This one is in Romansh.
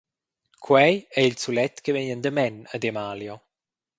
Quei ei il sulet che vegn endamen ad Emalio.